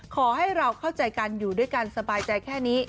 ขอให้เราเข้าใจกันอยู่ด้วยกันสบายใจแค่นี้